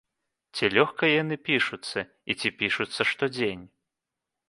Ці лёгка яны пішуцца, і ці пішуцца штодзень?